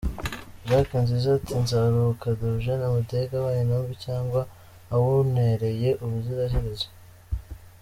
Jack Nziza ati nzaruhuka Deogeni Mudenge abaye intumbi cyangwa awunereye ubuziraherezo!